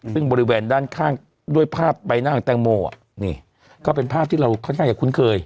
ซึ่งบริเวณด้านข้างด้วยภาพใบหน้าของแตงโมนี่ก็เป็นภาพที่เราค่อนข้างจะคุ้นเคย